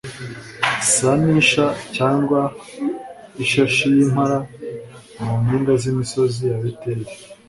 sa n'isha cyangwa ishashi y'impara mu mpinga z'imisozi ya beteri